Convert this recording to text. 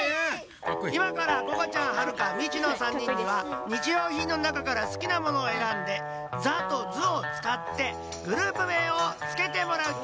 いまからここちゃんはるかミチの３にんにはにちようひんのなかからすきなものをえらんで「ザ」と「ズ」をつかってグループめいをつけてもらうっち。